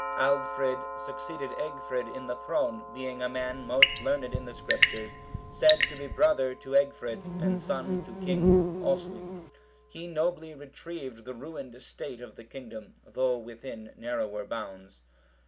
Aldfrid(733) succeeded Egfrid in the throne, being a man most learned in the Scriptures, said to be brother to Egfrid, and son to King Oswy; he nobly retrieved the ruined state of the kingdom, though within narrower bounds.